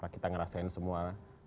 kita ngerasain semua